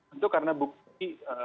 itu karena bukti